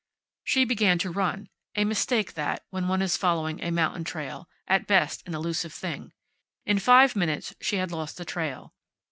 She began to run. A mistake, that, when one is following a mountain trail, at best an elusive thing. In five minutes she had lost the trail.